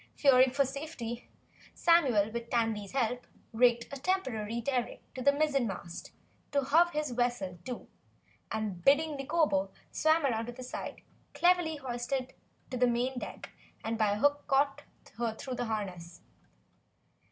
Fearing for her safety, Samuel with Tandy's help rigged a temporary derrick to the mizzenmast, hove his vessel to, and bidding Nikobo swim round to the side, cleverly hoisted her to the main deck by a hook caught through her harness.